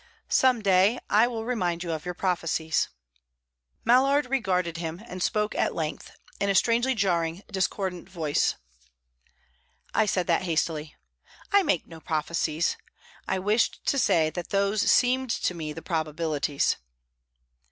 "Some day I will remind you of your prophecies." Mallard regarded him, and spoke at length, in a strangely jarring, discordant voice. "I said that hastily. I make no prophecies. I wished to say that those seemed to me the probabilities."